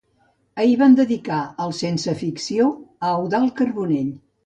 Ahir van dedicar el Sense Ficció a l'Eudald Carbonell.